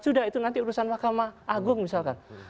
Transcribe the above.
sudah itu nanti urusan mahkamah agung misalkan